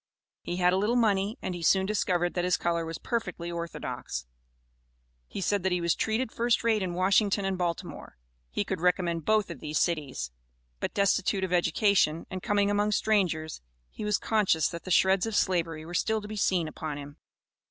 He had a little money, and he soon discovered that his color was perfectly orthodox. He said that he was "treated first rate in Washington and Baltimore;" he could recommend both of these cities. But destitute of education, and coming among strangers, he was conscious that the shreds of slavery were still to be seen upon him.